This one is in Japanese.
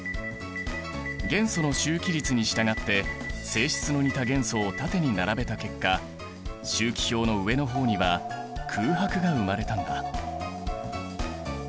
元素の周期律に従って性質の似た元素を縦に並べた結果周期表の上の方には空白が生まれたんだ。